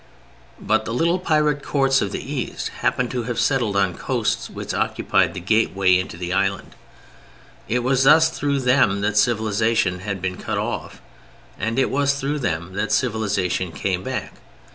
But the little Pirate courts of the East happened to have settled on coasts which occupied the gateway into the Island; it was thus through them that civilization had been cut off, and it was through them that civilization came back.